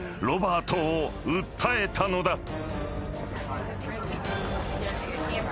ロバートを訴えたのだ］